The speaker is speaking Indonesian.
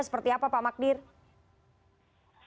seperti apa pak mbak diri